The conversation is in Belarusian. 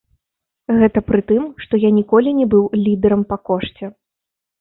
Гэта пры тым, што я ніколі не быў лідэрам па кошце.